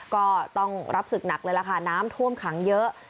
ก็ต้องรับศึกหนักเลยล่ะค่ะน้ำท่วมขังเยอะ